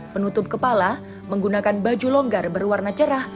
penutup kepala menggunakan baju longgar berwarna cerah